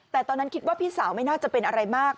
แต่ตอนนั้นคิดว่าพี่สาวไม่น่าจะเป็นอะไรมาก